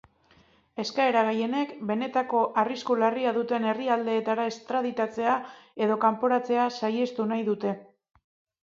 Eskaera gehienek benetako arrisku larria duten herrialdeetara estraditatzea edo kanporatzea saihestu nahi dute.